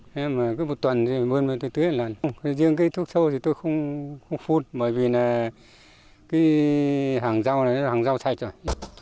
thế mà cứ một tuần thì mưa mưa tới tới là riêng cái thuốc sâu thì tôi không phun bởi vì là cái hàng rau này là hàng rau sạch rồi